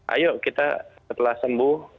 ayo kita setelah sembuh